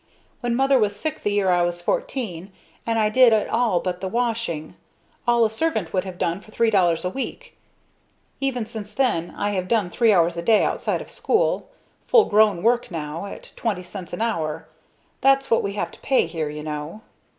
When Mother was sick the year I was fourteen, and I did it all but the washing all a servant would have done for $3.00 a week. Ever since then I have done three hours a day outside of school, full grown work now, at twenty cents an hour. That's what we have to pay here, you know."